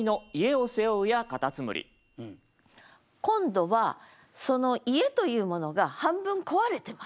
今度はその家というものが半分壊れてます。